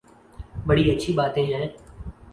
بڑی اچھی باتیں ہیں۔